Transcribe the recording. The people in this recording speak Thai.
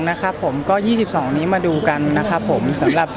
ที่๒๒มันมาดูกันครับ